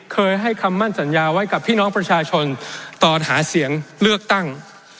เคยให้คำมั่นสัญญาไว้กับพี่น้องประชาชนตอนหาเสียงเลือกตั้ง